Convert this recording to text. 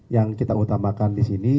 yang kita utamakan disini